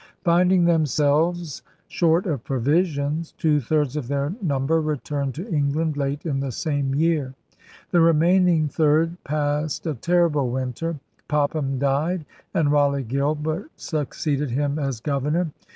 Finding themselves short of provisions, two thirds of their number returned to England late in the same year. The remaining third passed a terrible winter. Popham died, and Raleigh Gilbert succeeded him as governor.